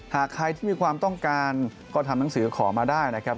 หากใครที่มีความต้องการก็ทำหนังสือขอมาได้นะครับ